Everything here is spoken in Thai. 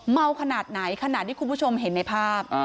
ขนาดไหนขนาดที่คุณผู้ชมเห็นในภาพ